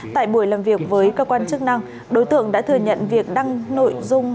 tại buổi làm việc với cơ quan chức năng đối tượng đã thừa nhận việc đăng nội dung